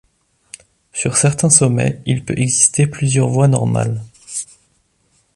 Sur certains sommets, il peut exister plusieurs voies normales.